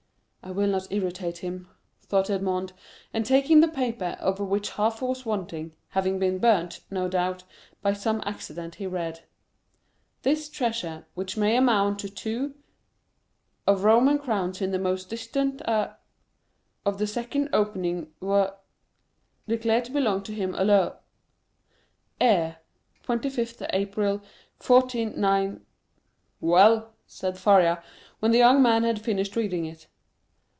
"I will not irritate him," thought Edmond, and taking the paper, of which half was wanting,—having been burnt, no doubt, by some accident,—he read: "this treasure, which may amount to two... of Roman crowns in the most distant a... of the second opening wh... declare to belong to him alo... heir. "25th April, 149'" "Well!" said Faria, when the young man had finished reading it.